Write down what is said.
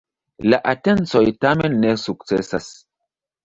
La atencoj tamen ne sukcesas.